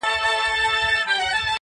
چي د ملالي د ټپې زور یې لیدلی نه وي-